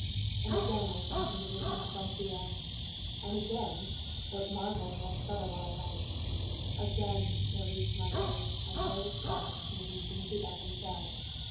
And again I sunk into visions of Ligeia and again (what marvel that I shudder while I write?), again there reached my ears a low sob from the region of the ebony bed.